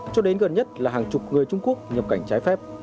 cho đến gần nhất là hàng chục người trung quốc nhập cảnh trái phép